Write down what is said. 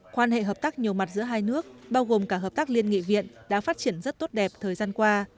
quan hệ hợp tác nhiều mặt giữa hai nước bao gồm cả hợp tác liên nghị viện đã phát triển rất tốt đẹp thời gian qua